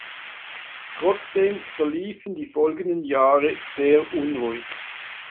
Trotzdem verliefen die folgenden Jahre sehr unruhig.